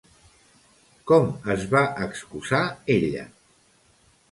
Com es va excusar ella?